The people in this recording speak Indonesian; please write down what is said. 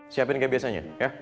siapin kayak biasanya ya